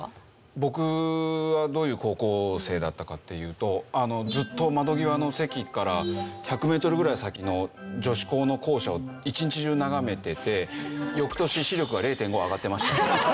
僕はどういう高校生だったかっていうとずっと窓際の席から１００メートルぐらい先の女子校の校舎を一日中眺めてて翌年視力が０．５上がってました。